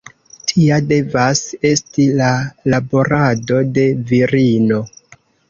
Tia devas esti la laborado de virino.